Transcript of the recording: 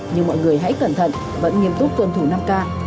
nhưng mọi người hãy cẩn thận vẫn nghiêm túc tuân thủ năm k